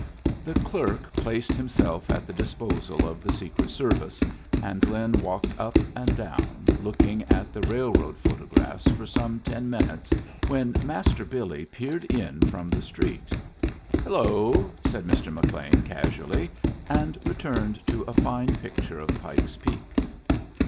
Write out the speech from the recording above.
The clerk placed himself at the disposal of the secret service, and Lin walked up and down, looking at the railroad photographs for some ten minutes, when Master Billy peered in from the street. "Hello!" said Mr. McLean, casually, and returned to a fine picture of Pike's Peak.